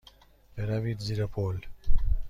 بروید زیر پل.